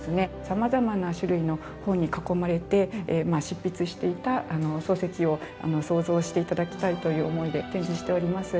様々な種類の本に囲まれて執筆していた漱石を想像して頂きたいという思いで展示しております。